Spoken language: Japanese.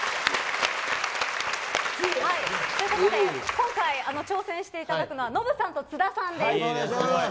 今回、挑戦していただくのはノブさんと津田さんです。